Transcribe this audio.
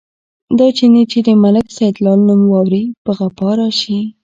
دا چيني چې د ملک سیدلال نوم واوري، په غپا راشي.